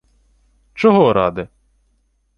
— Чого ради?